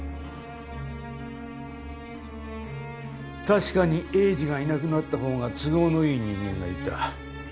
確かに栄治がいなくなった方が都合のいい人間がいた。